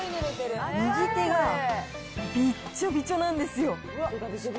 右手がびっちょびちょなんですよ。